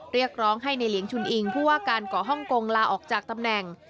เรียกร้องให้ในเหลียงชุนอิงผู้ว่าการก่อฮ่องกงลาออกจากตำแหน่ง